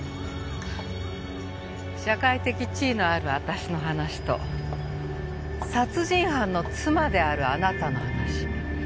社会的地位のある私の話と殺人犯の妻であるあなたの話。